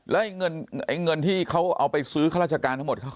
แล้วเงินที่เขาเอาไปซื้อข้าราชการทั้งหมด